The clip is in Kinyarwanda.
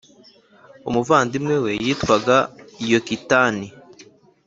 umuvandimwe we yitwaga Yokitani